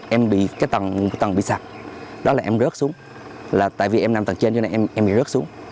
em bị cái tầng bị sạch đó là em rớt xuống là tại vì em nằm tầng trên cho nên em bị rớt xuống